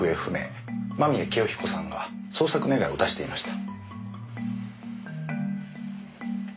間宮清彦さんが捜索願を出していました。